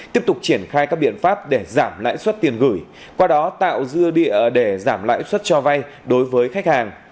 tiếp tục triển khai các biện pháp để giảm lãi suất tiền gửi qua đó tạo dư địa để giảm lãi suất cho vay đối với khách hàng